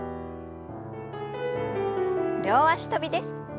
両脚跳びです。